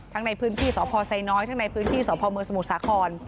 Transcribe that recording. ทั้งในพื้นที่สศไซน้อยทั้งในพื้นที่สมสมุทรสาคร